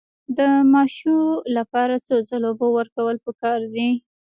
د ماشو لپاره څو ځله اوبه ورکول پکار دي؟